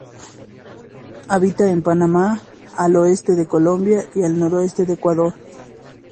Habita en Panamá, el oeste de Colombia y el noroeste de Ecuador.